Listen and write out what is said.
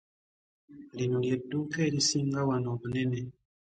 Lino ly'edduuka erisinga wano obunene.